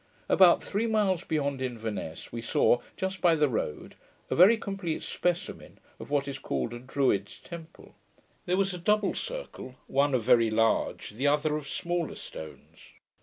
About three miles beyond Inverness, we saw, just by the road, a very complete specimen of what is called a Druid's temple. There was a double circle, one of very large, the other of smaller stones.